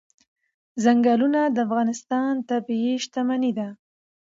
ځنګلونه د افغانستان طبعي شتمني ده.